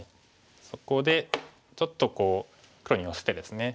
そこでちょっとこう黒に寄せてですね